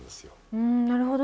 うんなるほど。